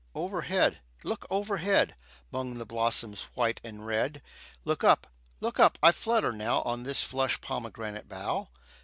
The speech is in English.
Overhead! look overhead, 'Mong the blossoms white and red Look up, look up I flutter now On this flush pomegranate bough.